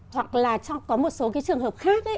hoặc là có một số trường hợp khác